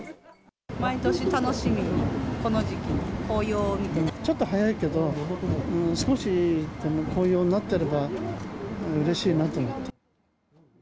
毎年楽しみに、この時期に紅ちょっと早いけど、少し紅葉になってればうれしいなと思って。